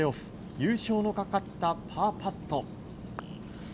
優勝のかかったパーパット。